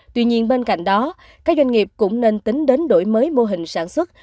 tuy nhiên bên cạnh đó các doanh nghiệp cũng nên tính đến đổi mới mô hình sản xuất